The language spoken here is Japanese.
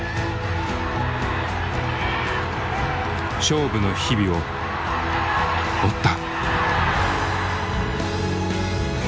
勝負の日々を追った。